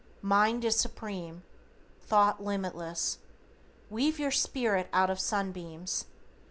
Mind is Supreme. Thought limitless. Weave your Spirit out of sunbeams.